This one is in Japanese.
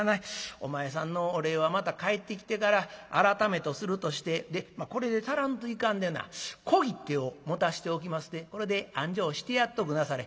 お前さんのお礼はまた帰ってきてから改めとするとしてでこれで足らんといかんでな小切手を持たせておきますでこれであんじょうしてやっとくなされ」。